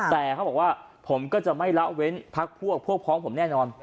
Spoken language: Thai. แต่เขาบอกว่าผมก็จะไม่ละเว้นพักพวกพวกพ้องผมแน่นอน